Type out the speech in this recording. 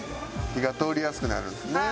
火が通りやすくなるんですね。